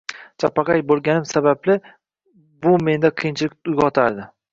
Chapaqay bo`lganim sababli, bu menda qiyinchilik uyg`otardi